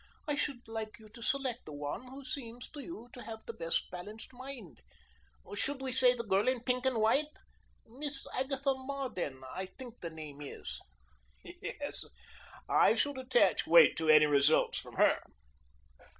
"I should like you to select the one who seems to you to have the best balanced mind. Should we say the girl in pink and white? Miss Agatha Marden, I think the name is." "Yes, I should attach weight to any results from her."